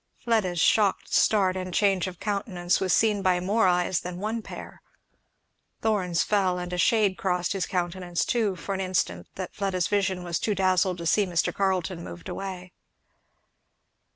Fleda's shocked start and change of countenance was seen by more eyes than one pair. Thorn's fell, and a shade crossed his countenance too, for an instant, that Fleda's vision was too dazzled to see. Mr. Carleton moved away.